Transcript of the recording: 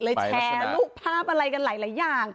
แชร์รูปภาพอะไรกันหลายอย่าง